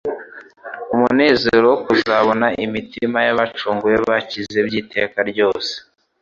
Umunezero wo kuzabona imitima y'abacunguwe bakize by'iteka ryose,